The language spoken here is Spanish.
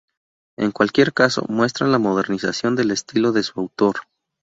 En cualquier caso, muestran la modernización del estilo de su autor.